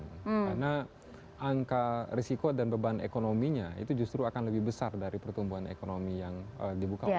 karena angka risiko dan beban ekonominya itu justru akan lebih besar dari pertumbuhan ekonomi yang dibuka oleh pemerintah